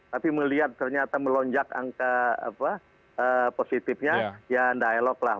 tapi melihat ternyata melonjak angka positifnya ya tidak elok lah